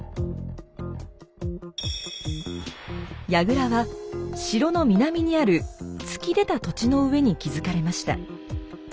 やぐらは城の南にある突き出た土地の上に築かれました。